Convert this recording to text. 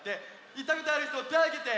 いったことあるひとてあげて！